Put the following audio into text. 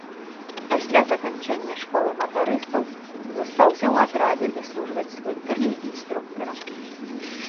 Пасля заканчэння школы матарыстаў застаўся ў атрадзе даслужваць свой тэрмін інструктарам.